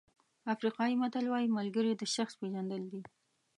افریقایي متل وایي ملګري د شخص پېژندل دي.